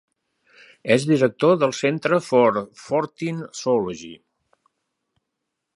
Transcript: És director del Centre for Fortean Zoology.